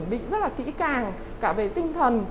mình đã chuẩn bị rất là kỹ càng cả về tinh thần